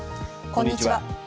こんにちは。